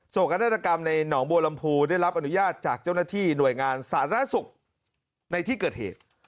กนาฏกรรมในหนองบัวลำพูได้รับอนุญาตจากเจ้าหน้าที่หน่วยงานสาธารณสุขในที่เกิดเหตุ